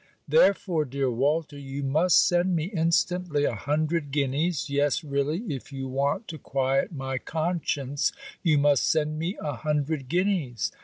Therefore, dear Walter, you must send me instantly a hundred guineas. Yes really, if you want to quiet my conscience, you must send me a hundred guineas.